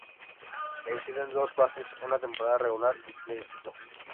Existen dos fases, una temporada regular y playoffs.